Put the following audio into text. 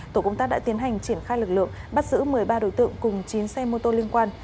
tổ công tác đã tiến hành triển khai lực lượng bắt giữ một mươi ba đối tượng cùng chín xe mô tô liên quan